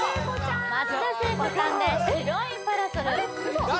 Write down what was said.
松田聖子さんで「白いパラソル」えっ？